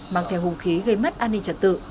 mang theo hùng khí gây mất an ninh trật tự